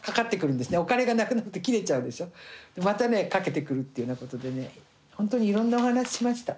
またかけてくるっていうようなことでねほんとにいろんなお話しました。